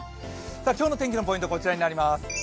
今日の天気のポイントはこちらになります。